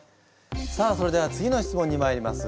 さあそれでは次の質問にまいります。